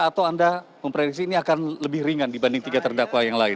atau anda memprediksi ini akan lebih ringan dibanding tiga terdakwa yang lain